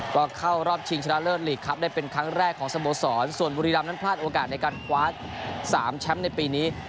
ก็เข้ารอบชิงชนะเลิศลีกครับได้เป็นครั้งแรกของสโมสรส่วนบุรีรำนั้นพลาดโอกาสในการคว้า๓แชมป์ในปีนี้